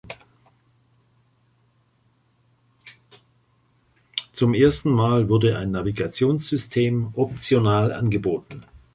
Zum ersten Mal wurde ein Navigationssystem optional angeboten.